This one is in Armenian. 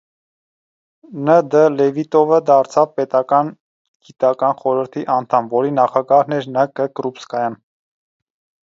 Ն.Դ. Լևիտովը դարձավ պետական գիտական խորհրդի անդամ, որի նախագահն էր Ն.Կ.Կրուպսկայան։